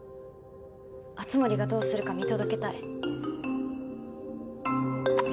熱護がどうするか見届けたい。